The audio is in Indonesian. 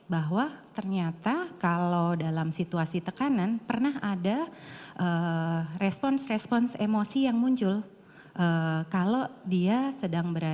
bahwa ternyata kalau dalam situasi tekanan pernah ada respon respons emosi yang muncul kalau dia sedang berada